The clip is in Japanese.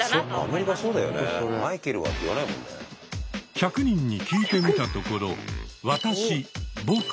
１００人に聞いてみたところ「わたし」「ぼく」